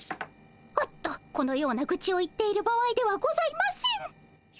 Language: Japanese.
おっとこのようなぐちを言っている場合ではございません。